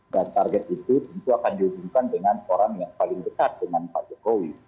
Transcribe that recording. dan target itu tentu akan diujukan dengan orang yang paling dekat dengan pak jokowi